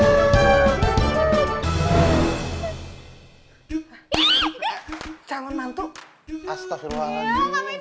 iya ngapain di meluk meluk gue